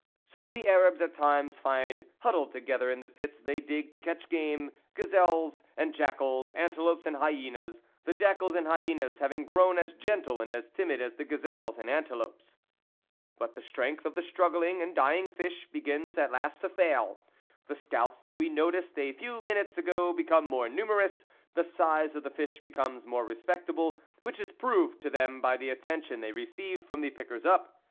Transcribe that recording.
So the Arabs at times find huddled together in the pits they dig to catch game, gazelles and jackals, antelopes and hyenas, the jackals and hyenas having grown as gentle and as timid as the gazelles and antelopes. But the strength of the struggling and dying fish begins at last to fail. The scouts that we noticed a few minutes ago become more numerous ; the size of the fish becomes more respectable, which is proved to them by the attention they receive from the pickers up.